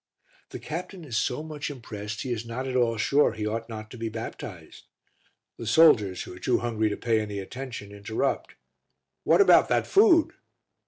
The captain is so much impressed he is not at all sure he ought not to be baptized. The soldiers, who are too hungry to pay any attention, interrupt "What about that food?"